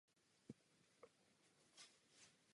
Z českých sociologů se této problematice věnuje Jan Keller.